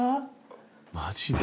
マジで？